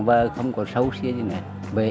và không có sâu xíu như thế này